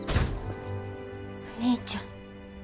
お兄ちゃん。